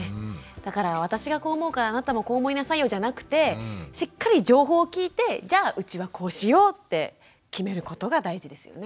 だから私がこう思うからあなたもこう思いなさいよじゃなくてしっかり情報を聞いてじゃあうちはこうしようって決めることが大事ですよね。